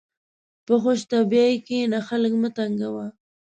په خوشطبعي کښېنه، خلق مه تنګوه.